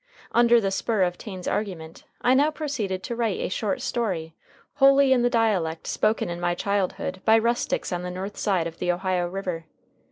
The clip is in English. Under the spur of Taine's argument, I now proceeded to write a short story wholly in the dialect spoken in my childhood by rustics on the north side of the Ohio River.